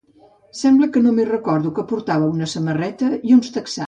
Sembla que només recordo que portava una samarreta i uns texans.